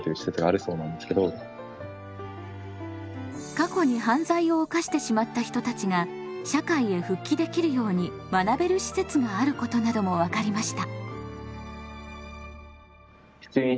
過去に犯罪を犯してしまった人たちが社会へ復帰できるように学べる施設があることなども分かりました。